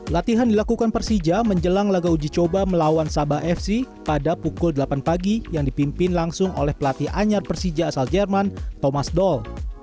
latihan dilakukan persija menjelang laga uji coba melawan sabah fc pada pukul delapan pagi yang dipimpin langsung oleh pelatih anyar persija asal jerman thomas doll